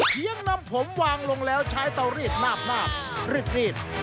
ยังนำผมวางลงแล้วใช้เตารีดลาบรีด